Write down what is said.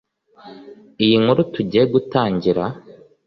iyi nkuru tugiye gutangira,